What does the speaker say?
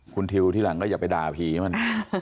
คุณทิวที่หลังก็อย่าไปด่าผีมัน